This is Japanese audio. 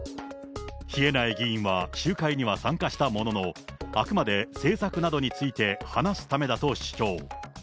稗苗議員は集会には参加したものの、あくまで政策などについて話すためだと主張。